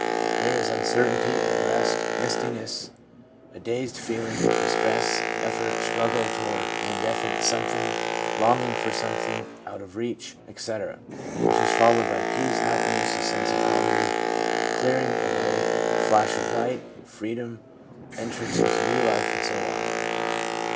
There is uncertainty, unrest, mistiness, a dazed feeling, distress, effort, struggle toward an indefinite something, longing for something out of reach, etc., which is followed by peace, happiness, a sense of harmony, a clearing away, a flash of light, freedom, entrance into new life, and so on.